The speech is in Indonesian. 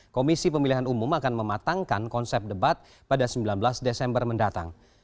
komisi pemilihan umum akan mematangkan konsep debat pada sembilan belas desember mendatang